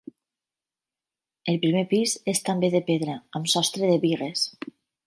El primer pis és també de pedra, amb sostre de bigues.